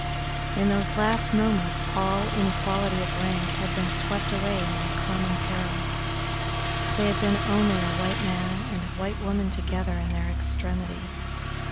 In those last moments all inequality of rank had been swept away in their common peril they had been only a white man and a white woman together in their extremity.